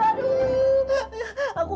aduh aduh aduh